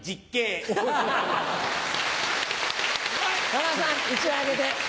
山田さん１枚あげて。